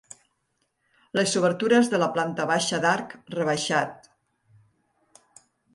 Les obertures de la planta baixa d'arc rebaixat.